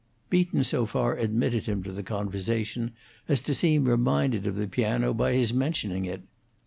Beaton so far admitted him to the conversation as to seem reminded of the piano by his mentioning it.